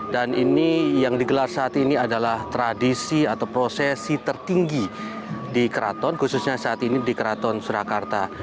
dan ini yang digelar saat ini adalah tradisi atau prosesi tertinggi di keraton khususnya saat ini di keraton surakarta